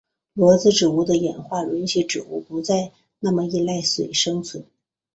裸子植物的演化允许植物不再那么依赖水生存。